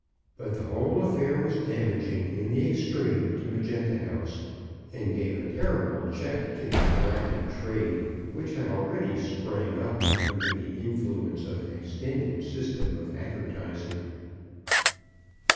But the whole affair was damaging in the extreme to Magenta House, and gave a terrible check to that rapid trade which had already sprang up under the influence of an extended system of advertising.